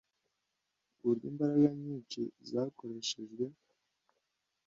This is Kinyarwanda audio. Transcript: ku buryo imbaraga nyinshi zakoreshejwe